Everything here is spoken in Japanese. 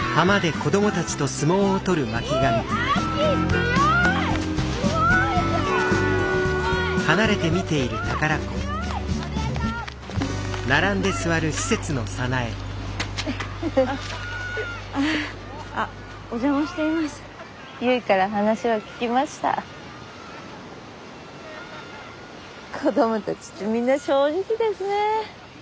子どもたちってみんな正直ですね。